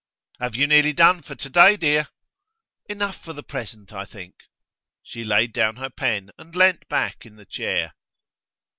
'Have you nearly done for to day, dear?' 'Enough for the present, I think.' She laid down her pen, and leant back in the chair.